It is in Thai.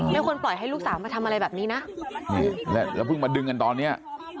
ไม่ควรปล่อยให้ลูกสาวมาทำอะไรแบบนี้นะแล้วเพิ่งมาดึงกันตอนเนี้ย